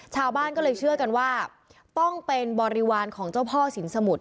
ชาวบ้านก็เลยเชื่อกันว่าต้องเป็นบริวารของเจ้าพ่อสินสมุทร